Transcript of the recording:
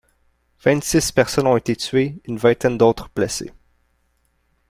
Vingt-six personnes ont été tuées, une vingtaine d'autres blessées.